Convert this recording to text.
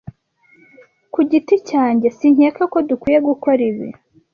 Ku giti cyanjye, sinkeka ko dukwiye gukora ibi.